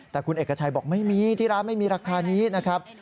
แต่คุณเอกชัยบอกไม่มีที่ร้านไม่มีราคานี้นะครับ